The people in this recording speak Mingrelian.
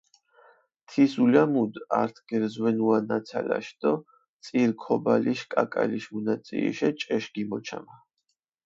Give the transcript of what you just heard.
თის ულამუდჷ ართ გერზვენუა ნაცალაშ დო წირ ქობალიშ კაკალიშ მუნაწიიშე ჭეშ გიმოჩამა.